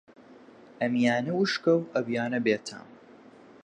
ئەمیانە وشکە و ئەویانە بێتام